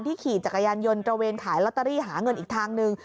ขี่จักรยานยนต์ตระเวนขายลอตเตอรี่หาเงินอีกทางหนึ่ง